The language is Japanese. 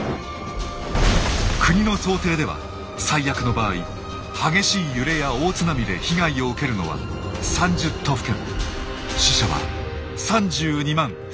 国の想定では最悪の場合激しい揺れや大津波で被害を受けるのは３０都府県。